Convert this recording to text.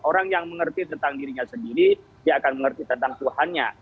orang yang mengerti tentang dirinya sendiri dia akan mengerti tentang tuhannya